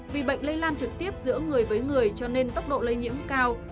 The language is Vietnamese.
vì bệnh lây lan trực tiếp giữa người với người cho nên tốc độ lây nhiễm cao